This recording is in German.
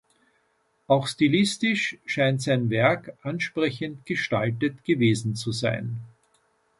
Auch stilistisch scheint sein Werk ansprechend gestaltet gewesen zu sein.